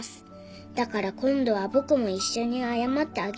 「だから今度は僕も一緒に謝ってあげようと思いました」